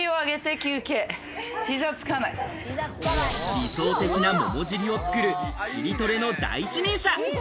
理想的な桃尻を作る尻トレの第一人者。